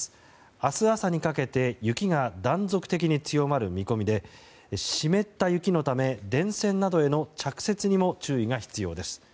明日朝にかけて雪が断続的に強まる見込みで湿った雪のため電線などへの着雪にも注意が必要です。